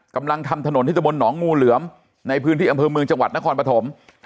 กำลังทำถนนที่ตะบนหนองงูเหลือมในพื้นที่อำเภอเมืองจังหวัดนครปฐม